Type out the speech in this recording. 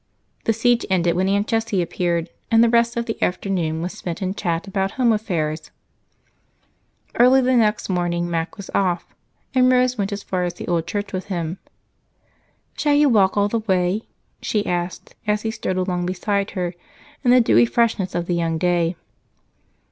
The siege ended when Aunt Jessie appeared, and the rest of the afternoon was spent in chat about home affairs. Early the next morning Mac was off, and Rose went as far as the old church with him. "Shall you walk all the way?" she asked as he strode along beside her in the dewy freshness of the young day.